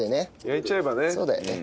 焼いちゃえばね。